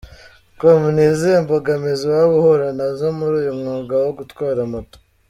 com : Ni izihe mbogamizi waba uhura nazo muri uyu mwuga wo gutwara moto ?.